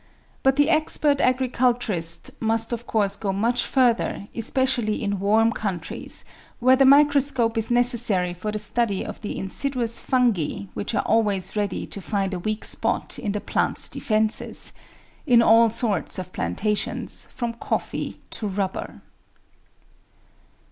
But the expert agriculturist must of course go much further, especially in warm countries, where the microscope is necessary for the study of the insidious Fungi which are always ready to find a weak spot in the plants' defences — in all sorts of plantations from coflFee to rubber.